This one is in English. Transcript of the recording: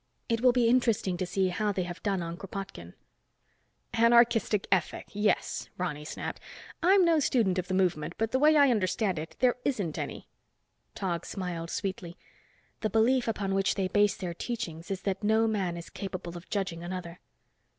It will be interesting to see how they have done on Kropotkin." "Anarchist ethic, yes," Ronny snapped. "I'm no student of the movement but the way I understand it, there isn't any." Tog smiled sweetly. "The belief upon which they base their teachings is that no man is capable of judging another."